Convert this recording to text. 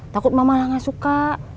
takut emak malah gak suka